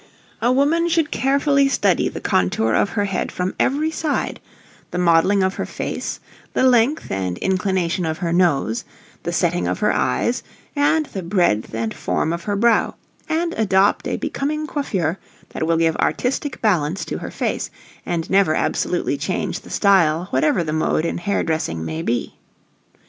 A woman should carefully study the contour of her head from every side; the modelling of her face; the length and inclination of her nose; the setting of her eyes; and the breadth and form of her brow, and adopt a becoming coiffure that will give artistic balance to her face, and never absolutely change the style whatever the mode in hair dressing may be.